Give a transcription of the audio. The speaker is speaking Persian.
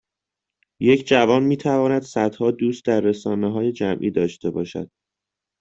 یک جوان میتواند صدها دوست در رسانههای جمعی داشته باشد